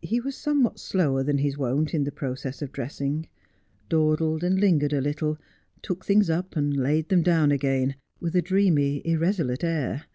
He was somewhat slower than his wont in the process of dressing— dawdled and lingered a little, took things up and laid them down again, with a dreamy, irresolute air.